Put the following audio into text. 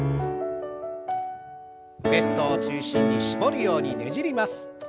ウエストを中心に絞るようにねじります。